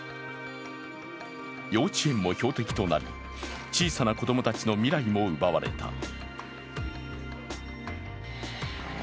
幼稚園も標的となり、小さな子供たちの未来も奪われた。